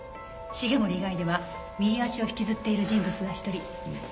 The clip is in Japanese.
繁森以外では右足を引きずっている人物が１人。